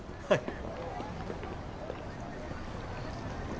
はい